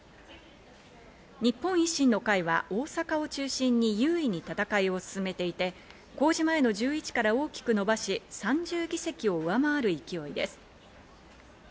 日本維新の会は大阪を中心に優位に戦いを進めていて、公示前の１１から大きく伸ばし、３０議席を上回る勢いです。